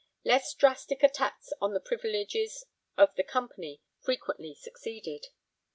Less drastic attacks on the privileges of the Company frequently succeeded.